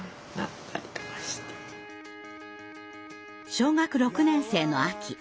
小学６年生の秋